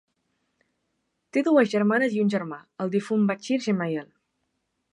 Té dues germanes i un germà, el difunt Bachir Gemayel.